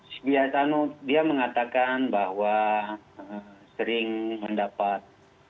sebiasaan dia mengatakan bahwa sering mendapat